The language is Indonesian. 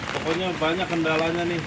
pokoknya banyak kendalanya nih